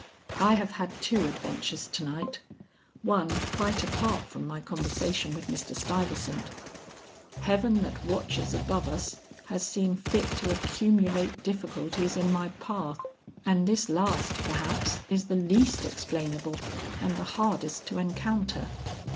I have had two adventures to night; one quite apart from my conversation with Mr. Stuyvesant. Heaven that watches above us, has seen fit to accumulate difficulties in my path, and this last, perhaps, is the least explainable and the hardest to encounter."